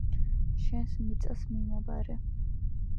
შენს მიწას მიმაბარე